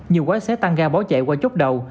nhiều quái xe tăng ga bỏ chạy qua chốt đầu